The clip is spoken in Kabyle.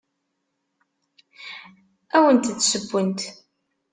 Ad awent-d-ssewwent.